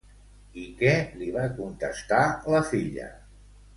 I què li va contestar la filla?